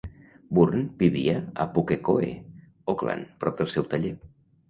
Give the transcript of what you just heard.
Bourne vivia a Pukekohe, Auckland, prop del seu taller.